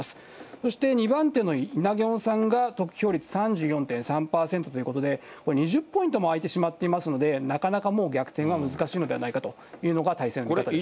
そして２番手のイ・ナギョンさんが、得票率３４．３％ということで、２０ポイントもあいてしまっていますので、なかなかもう逆転は難しいのではないかというのが大勢の見方です